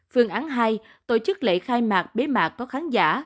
phương án hai tổ chức lễ khai mạc bế mạc có khán giả